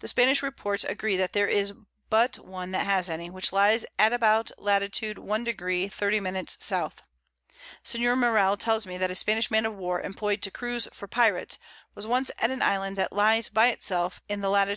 The Spanish Reports agree that there is but one that has any; which lies about Lat. 1°. 30´´. S. Sen. Morell tells me, that a Spanish Man of War employed to cruize for Pyrates, was once at an Island that lies by it self in the Lat.